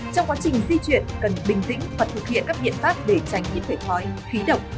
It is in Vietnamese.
trong quá trình di chuyển cần bình tĩnh hoặc thực hiện các biện pháp để tránh những khởi khói khí động